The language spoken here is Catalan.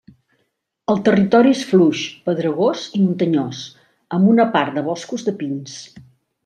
El territori és fluix, pedregós i muntanyós, amb una part de boscos de pins.